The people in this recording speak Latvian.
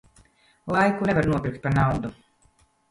Laiku nevar nopirkt pa naudu.